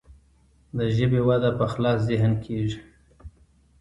د ژبې وده په خلاص ذهن کیږي.